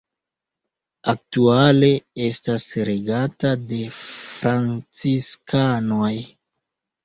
Aktuale estas regata de Franciskanoj.